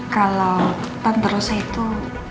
kalau tante rosa itu